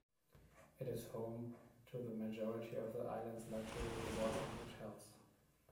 It is home to the majority of the island's luxury resorts and hotels.